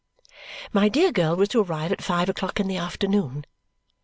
My dear girl was to arrive at five o'clock in the afternoon.